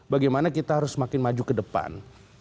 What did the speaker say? bagaimana kita harus semakin maju ke depan